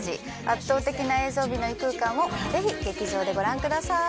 圧倒的な映像美の異空間をぜひ劇場でご覧ください。